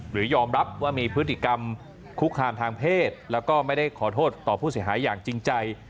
ยอมรับว่ามีพฤติกรรมคุกคามทางเพศแล้วก็ไม่ได้ขอโทษต่อผู้เสียหายอย่างจริงใจ